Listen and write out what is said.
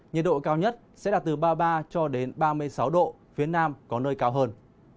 nhiệt độ cao nhất sẽ là từ ba mươi ba cho đến ba mươi sáu độ phía nam có nơi cao hơn